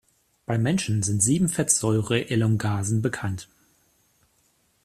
Beim Menschen sind sieben Fettsäure-Elongasen bekannt.